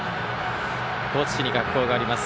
高知市に学校があります。